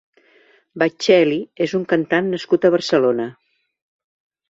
Bacchelli és un cantant nascut a Barcelona.